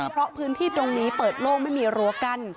เพราะพื้นที่ตรงนี้เปิดโล่งไม่มีรั้วกั้น